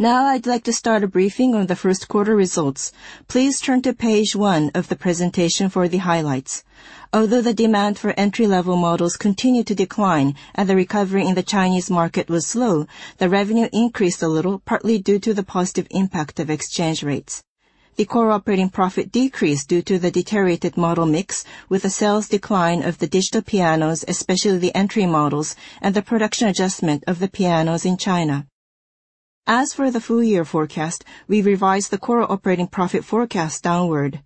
Now I'd like to start a briefing on the Q1 results. Please turn page one of the presentation for the highlights. The demand for entry-level models continued to decline and the recovery in the Chinese market was slow, the revenue increased a little, partly due to the positive impact of exchange rates. The core operating profit decreased due to the deteriorated model mix, with a sales decline of the digital pianos, especially the entry models, and the production adjustment of the pianos in China. As for the full-year forecast, we revised the core operating profit forecast downward.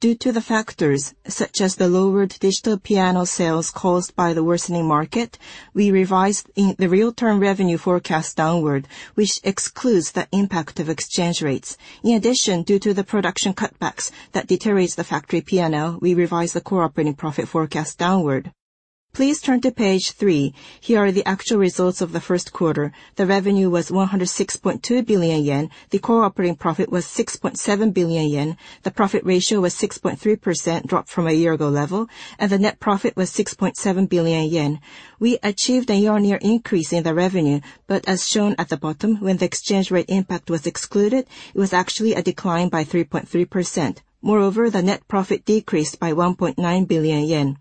Due to the factors such as the lowered digital piano sales caused by the worsening market, we revised the real-term revenue forecast downward, which excludes the impact of exchange rates. Due to the production cutbacks that deteriorates the factory P&L, we revised the core operating profit forecast downward. Please turn to page three. Here are the actual results of the Q1. The revenue was 106.2 billion yen. The core operating profit was 6.7 billion yen. The profit ratio was 6.3%, dropped from a year-ago level, and the net profit was 6.7 billion yen. We achieved a year-on-year increase in the revenue, but as shown at the bottom, when the exchange rate impact was excluded, it was actually a decline by 3.3%. The net profit decreased by 1.9 billion yen.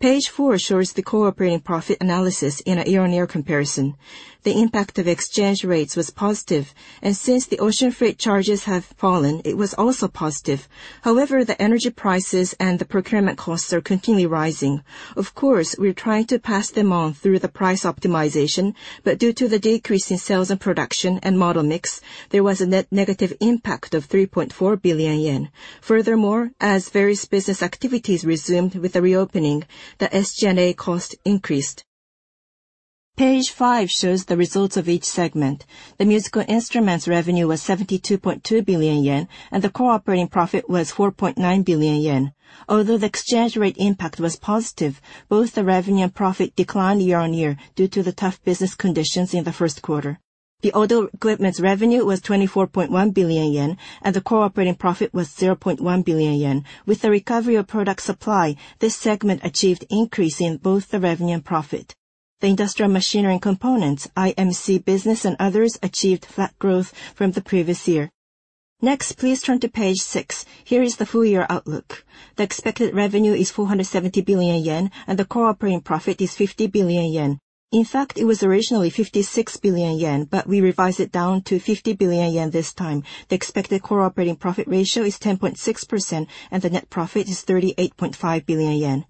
Page four shows the core operating profit analysis in a year-on-year comparison. The impact of exchange rates was positive, and since the ocean freight charges have fallen, it was also positive. The energy prices and the procurement costs are continually rising. Of course, we are trying to pass them on through the price optimization, but due to the decrease in sales and production and model mix, there was a net negative impact of 3.4 billion yen. Furthermore, as various business activities resumed with the reopening, the SG&A cost increased. Page five shows the results of each segment. The musical instruments revenue was 72.2 billion yen, and the core operating profit was 4.9 billion yen. Although the exchange rate impact was positive, both the revenue and profit declined year-on-year due to the tough business conditions in the Q1. The auto equipment's revenue was 24.1 billion yen, and the core operating profit was 0.1 billion yen. With the recovery of product supply, this segment achieved increase in both the revenue and profit. The industrial machinery and components, IMC business and others, achieved flat growth from the previous year. Please turn to page six. Here is the full year outlook. The expected revenue is 470 billion yen, and the core operating profit is 50 billion yen. In fact, it was originally 56 billion yen, but we revised it down to 50 billion yen this time. The expected core operating profit ratio is 10.6%, and the net profit is 38.5 billion yen.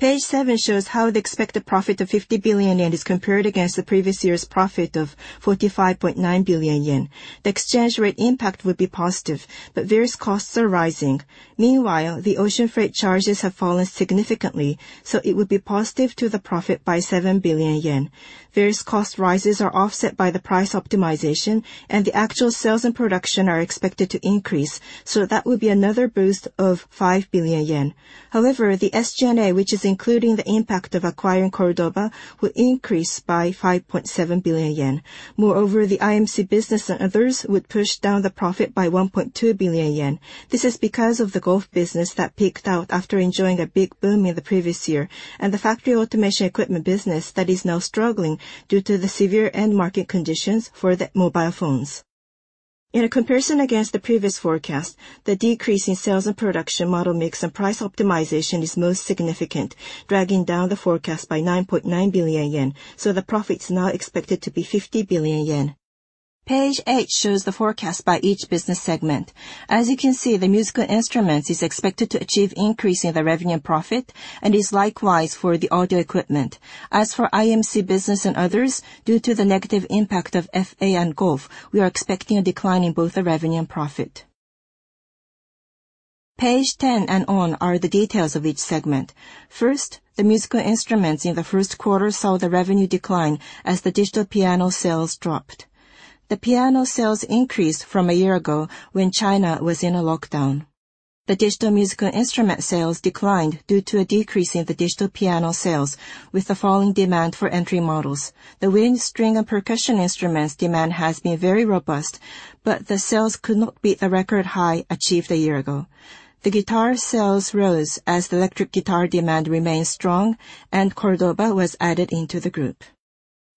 Page seven shows how the expected profit of 50 billion yen is compared against the previous year's profit of 45.9 billion yen. The exchange rate impact will be positive, but various costs are rising. Meanwhile, the ocean freight charges have fallen significantly, so it will be positive to the profit by 7 billion yen. Various cost rises are offset by the price optimization, and the actual sales and production are expected to increase, so that will be another boost of 5 billion yen. However, the SG&A, which is including the impact of acquiring Cordoba, will increase by 5.7 billion yen. Moreover, the IMC business and others would push down the profit by 1.2 billion yen. This is because of the golf business that peaked out after enjoying a big boom in the previous year, and the factory automation equipment business that is now struggling due to the severe end market conditions for the mobile phones. In a comparison against the previous forecast, the decrease in sales and production model mix and price optimization is most significant, dragging down the forecast by 9.9 billion yen, the profit is now expected to be 50 billion yen. Page eight shows the forecast by each business segment. You can see, the musical instruments is expected to achieve increase in the revenue and profit, and is likewise for the audio equipment. For IMC business and others, due to the negative impact of FA and golf, we are expecting a decline in both the revenue and profit. Page 10 and on are the details of each segment. The musical instruments in the Q1 saw the revenue decline as the digital piano sales dropped. The piano sales increased from a year ago when China was in a lockdown. The digital musical instrument sales declined due to a decrease in the digital piano sales, with the falling demand for entry models. The wind, string, and percussion instruments demand has been very robust, but the sales could not beat the record high achieved a year ago. The guitar sales rose as the electric guitar demand remained strong and Cordoba was added into the group.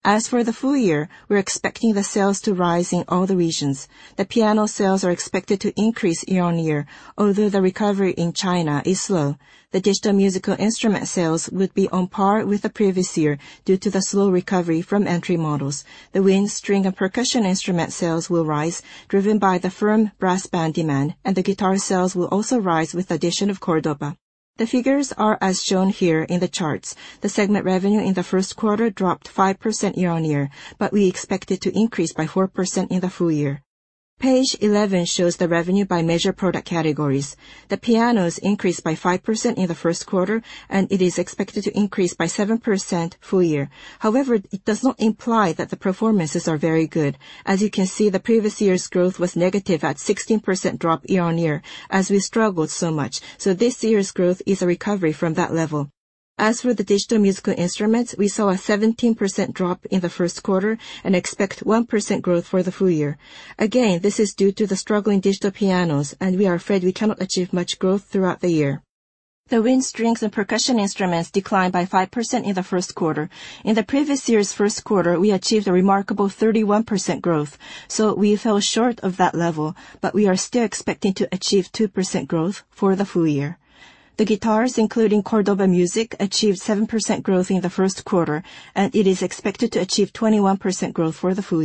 As for the full year, we're expecting the sales to rise in all the regions. The piano sales are expected to increase year-on-year, although the recovery in China is slow. The digital musical instrument sales would be on par with the previous year due to the slow recovery from entry models. The wind, string, and percussion instrument sales will rise, driven by the firm brass band demand, and the guitar sales will also rise with the addition of Cordoba. The figures are as shown here in the charts. The segment revenue in the Q1 dropped 5% year-on-year. We expect it to increase by 4% in the full page 11 shows the revenue by measure product categories. The pianos increased by 5% in the Q1. It is expected to increase by 7% full year. It does not imply that the performances are very good. As you can see, the previous year's growth was negative at 16% drop year-on-year as we struggled so much. This year's growth is a recovery from that level. As for the digital musical instruments, we saw a 17% drop in the Q1 and expect 1% growth for the full year. This is due to the struggling digital pianos, and we are afraid we cannot achieve much growth throughout the year. The wind strings and percussion instruments declined by 5% in the Q1. In the previous year's Q1, we achieved a remarkable 31% growth, so we fell short of that level, but we are still expecting to achieve 2% growth for the full year. The guitars, including Cordoba Music, achieved 7% growth in the Q1, and it is expected to achieve 21% growth for the full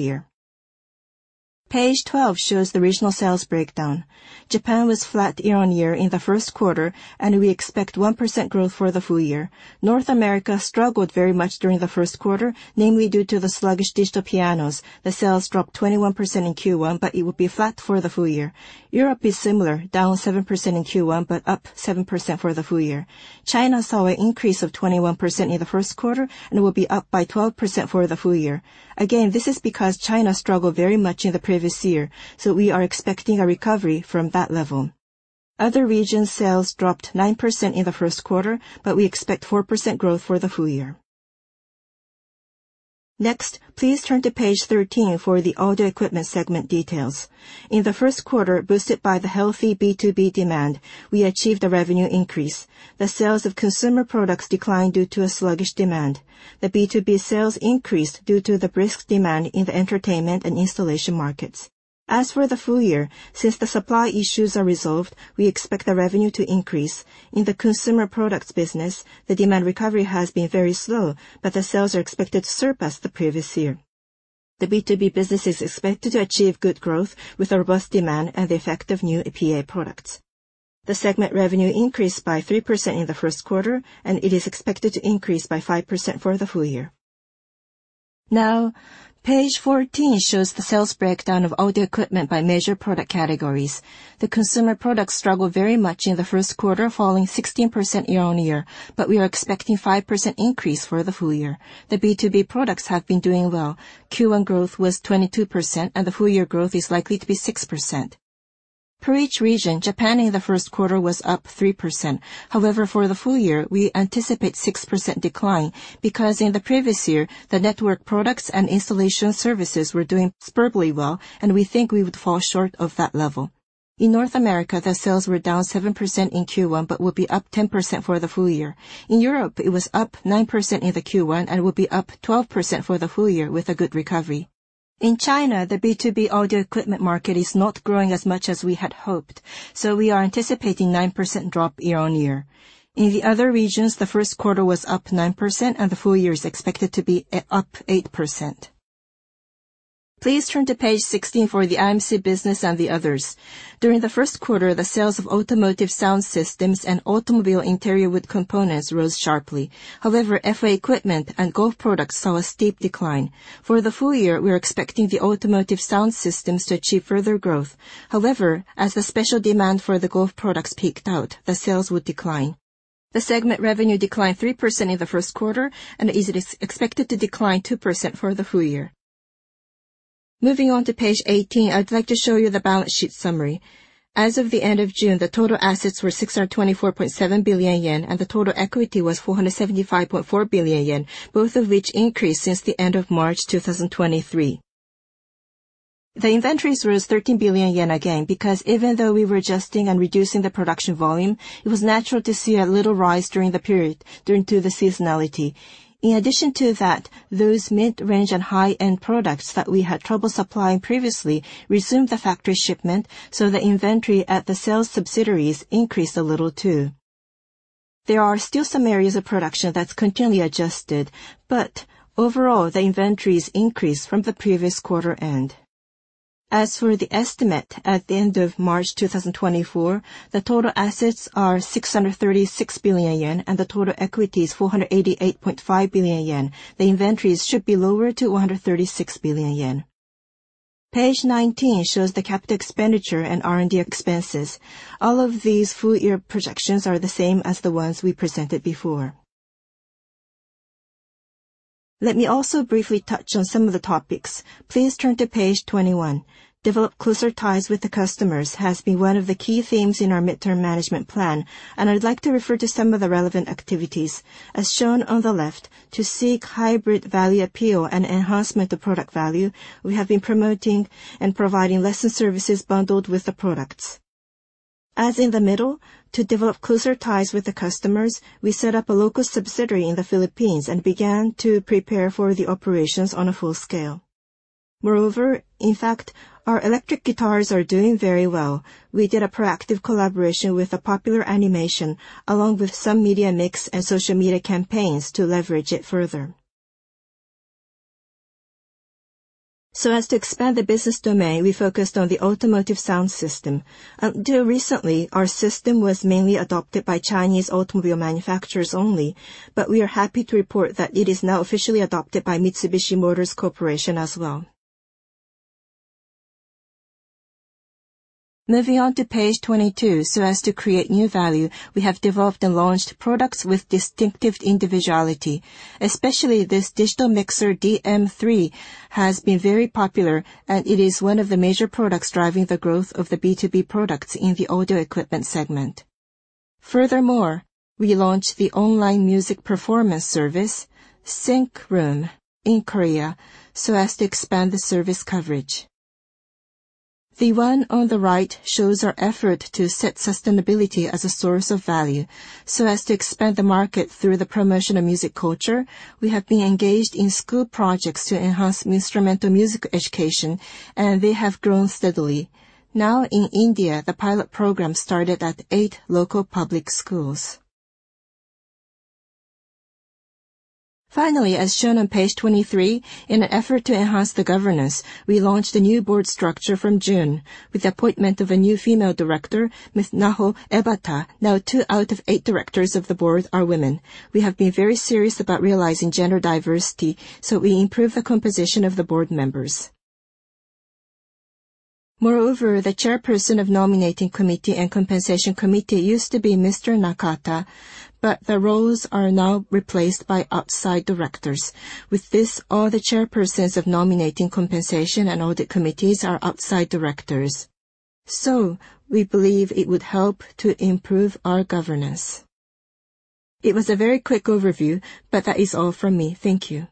page 12 shows the regional sales breakdown. Japan was flat year-on-year in the Q1, and we expect 1% growth for the full year. North America struggled very much during the Q1, namely due to the sluggish digital pianos. The sales dropped 21% in Q1, but it would be flat for the full year. Europe is similar, down 7% in Q1, but up 7% for the full year. China saw an increase of 21% in the Q1 and will be up by 12% for the full year. Again, this is because China struggled very much in the previous year, so we are expecting a recovery from that level. Other regions' sales dropped 9% in the Q1, but we expect 4% growth for the full year. Next, please turn page 13 for the audio equipment segment details. In the Q1, boosted by the healthy B2B demand, we achieved a revenue increase. The sales of consumer products declined due to a sluggish demand. The B2B sales increased due to the brisk demand in the entertainment and installation markets. As for the full year, since the supply issues are resolved, we expect the revenue to increase. In the consumer products business, the demand recovery has been very slow, but the sales are expected to surpass the previous year. The B2B business is expected to achieve good growth with a robust demand and the effect of new APA products. The segment revenue increased by 3% in the Q1, and it is expected to increase by 5% for the full year. Page 14 shows the sales breakdown of audio equipment by major product categories. The consumer products struggled very much in the Q1, falling 16% year-on-year, but we are expecting 5% increase for the full year. The B2B products have been doing well. Q1 growth was 22%, and the full year growth is likely to be 6%. Per each region, Japan in the Q1 was up 3%. For the full year, we anticipate 6% decline because in the previous year, the network products and installation services were doing superbly well, and we think we would fall short of that level. In North America, the sales were down 7% in Q1, but will be up 10% for the full year. In Europe, it was up 9% in the Q1 and will be up 12% for the full year with a good recovery. In China, the B2B audio equipment market is not growing as much as we had hoped, so we are anticipating 9% drop year-on-year. In the other regions, the Q1 was up 9% and the full year is expected to be up 8%. Please turn page 16 for the IMC business and the others. During the Q1, the sales of automotive sound systems and automobile interior wood components rose sharply. However, FA equipment and golf products saw a steep decline. For the full year, we are expecting the automotive sound systems to achieve further growth. However, as the special demand for the golf products peaked out, the sales would decline. The segment revenue declined 3% in the Q1 and is expected to decline 2% for the full year. Moving on page 18, i'd like to show you the balance sheet summary. As of the end of June, the total assets were 624.7 billion yen, and the total equity was 475.4 billion yen, both of which increased since the end of March 2023. The inventories rose JPY 13 billion again, because even though we were adjusting and reducing the production volume, it was natural to see a little rise during the period due to the seasonality. In addition to that, those mid-range and high-end products that we had trouble supplying previously resumed the factory shipment, so the inventory at the sales subsidiaries increased a little, too. There are still some areas of production that's continually adjusted, but overall, the inventories increased from the previous quarter end. As for the estimate, at the end of March 2024, the total assets are 636 billion yen, and the total equity is 488.5 billion yen. The inventories should be lower to 136 page 19 shows the capital expenditure and R&D expenses. All of these full-year projections are the same as the ones we presented before. Let me also briefly touch on some of the topics. Please turn to page 21. "Develop closer ties with the customers" has been one of the key themes in our midterm management plan, and I'd like to refer to some of the relevant activities. As shown on the left, to seek hybrid value appeal and enhancement of product value, we have been promoting and providing lesson services bundled with the products. As in the middle, to develop closer ties with the customers, we set up a local subsidiary in the Philippines and began to prepare for the operations on a full scale. Moreover, in fact, our electric guitars are doing very well. We did a proactive collaboration with a popular animation, along with some media mix and social media campaigns to leverage it further. As to expand the business domain, we focused on the automotive sound system. Until recently, our system was mainly adopted by Chinese automobile manufacturers only, but we are happy to report that it is now officially adopted by Mitsubishi Motors Corporation as well. Moving on to page 22. As to create new value, we have developed and launched products with distinctive individuality, especially this digital mixer, DM3, has been very popular, and it is one of the major products driving the growth of the B2B products in the audio equipment segment. Furthermore, we launched the online music performance service, SYNCROOM, in Korea, so as to expand the service coverage. The one on the right shows our effort to set sustainability as a source of value. As to expand the market through the promotion of music culture, we have been engaged in school projects to enhance instrumental music education, and they have grown steadily. In India, the pilot program started at eight local public schools. As shown on page 23, in an effort to enhance the governance, we launched a new board structure from June with the appointment of a new female director, Ms. Naho Ebata. Two out of eight directors of the board are women. We have been very serious about realizing gender diversity, so we improved the composition of the board members. The chairperson of Nominating Committee and Compensation Committee used to be Mr. Nakata, but the roles are now replaced by outside directors. With this, all the chairpersons of Nominating, Compensation, and Audit Committees are outside directors, so we believe it would help to improve our governance. It was a very quick overview, but that is all from me. Thank you.